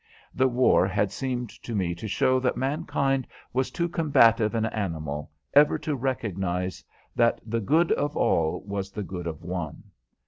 The war had seemed to me to show that mankind was too combative an animal ever to recognize that the good of all was the good of one.